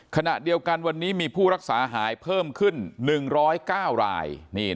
ขณะเดียวกันวันนี้มีผู้รักษาหายเพิ่มขึ้น๑๐๙ราย